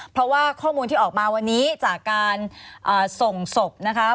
เพราะว่าข้อมูลที่ออกมาวันนี้จากการส่งศพนะคะ